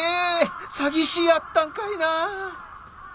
詐欺師やったんかいな！